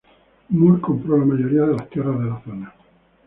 Moore compró la mayoría de las tierras de la zona.